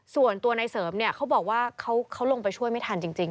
ส่วนตัวในเสริมเนี่ยเขาบอกว่าเขาลงไปช่วยไม่ทันจริง